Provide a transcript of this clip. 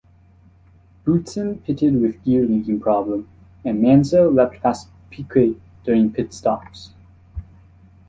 Boutsen pitted with gear linking problem and Mansell leapt past Piquet during pitstops.